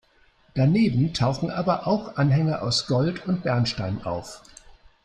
Daneben tauchen aber auch Anhänger aus Gold und Bernstein auf.